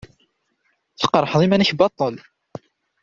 Tqerḥeḍ iman-ik baṭṭel.